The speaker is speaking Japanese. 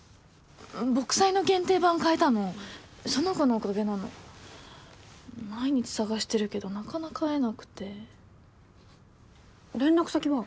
「ぼくさい」の限定版買えたのその子のおかげなの毎日捜してるけどなかなか会えなくて連絡先は？